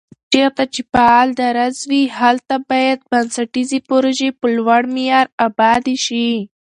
چېرته چې فعال درز وي، هلته باید بنسټيزې پروژي په لوړ معیار آبادې شي